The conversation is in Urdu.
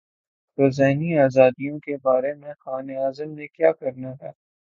تو ذہنی آزادیوں کے بارے میں خان اعظم نے کیا کرنا ہے۔